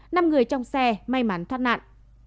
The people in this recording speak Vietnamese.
năm người trong xe may mắn thoát nạn